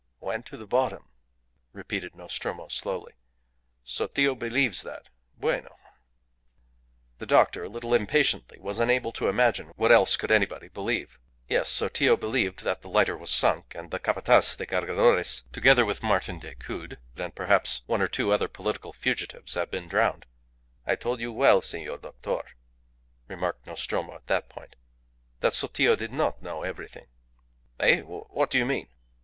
"Went to the bottom?" repeated Nostromo, slowly. "Sotillo believes that? Bueno!" The doctor, a little impatiently, was unable to imagine what else could anybody believe. Yes, Sotillo believed that the lighter was sunk, and the Capataz de Cargadores, together with Martin Decoud and perhaps one or two other political fugitives, had been drowned. "I told you well, senor doctor," remarked Nostromo at that point, "that Sotillo did not know everything." "Eh? What do you mean?"